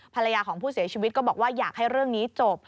ภรรยาของผู้เสียชีวิตก็บอกว่าอยากให้เรื่องนี้จบ